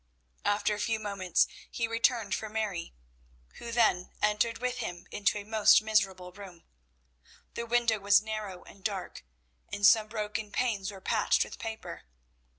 After a few moments he returned for Mary, who then entered with him into a most miserable room. The window was narrow and dark, and some broken panes were patched with paper.